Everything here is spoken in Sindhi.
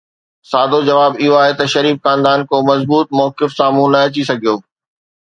سادو جواب اهو آهي ته شريف خاندان ڪو مضبوط موقف سامهون نه اچي سگهيو.